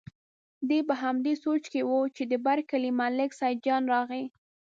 دی په همدې سوچ کې و چې د بر کلي ملک سیدجان راغی.